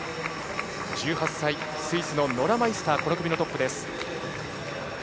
１８歳、スイスのノラ・マイスターこの組トップです。